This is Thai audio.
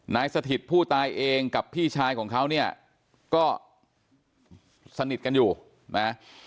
สถิตผู้ตายเองกับพี่ชายของเขาเนี่ยก็สนิทกันอยู่นะ